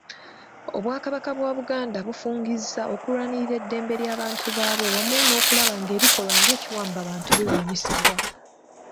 Obwakabaka bwa Buganda bufungizza okulwanirira eddembe ly'abantu baabwo wamu n'okulaba ng'ebikolwa ng'ekiwambabantu birwanyisibwa.